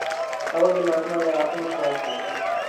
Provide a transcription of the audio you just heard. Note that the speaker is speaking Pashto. هغوی د ماشومانو د غاښونو خیال ساتي.